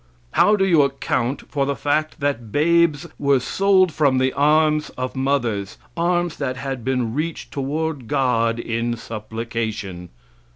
How do you account for the fact that babes were sold from the arms of mothers arms that had been reached toward God in supplication?